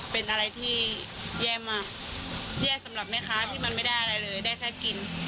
เป็นอะไรที่แย่มากแย่สำหรับแม่ค้าที่มันไม่ได้อะไรเลยได้แค่กิน